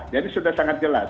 jadi sudah sangat jelas